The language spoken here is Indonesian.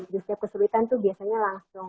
di setiap kesulitan itu biasanya langsung